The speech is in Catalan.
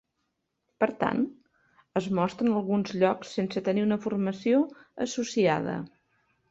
Per tant, es mostren alguns llocs sense tenir una formació associada.